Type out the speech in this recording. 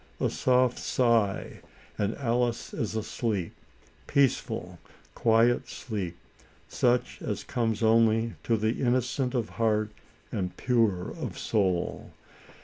A soft sigh, and Alice is asleep — peace ful, quiet sleep, such as comes only to the inno cent of heart and pure of soul.